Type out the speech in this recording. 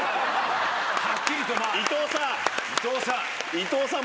伊藤さん！